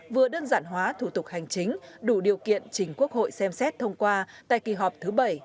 vừa đơn giản hóa thủ tục hành chính đủ điều kiện chính quốc hội xem xét thông qua tại kỳ họp thứ bảy